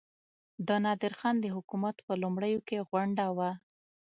د نادرخان د حکومت په لومړیو کې غونډه وه.